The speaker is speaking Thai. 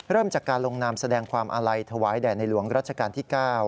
เริ่มจากการลงนามแสดงความอาลัยถวายแด่ในหลวงรัชกาลที่๙